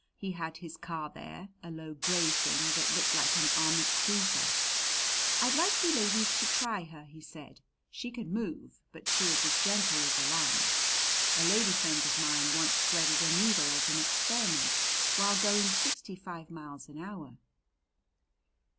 He had his car there a low gray thing that looked like an armored cruiser. "I'd like you ladies to try her," he said. "She can move, but she is as gentle as a lamb. A lady friend of mine once threaded a needle as an experiment while going sixty five miles an hour."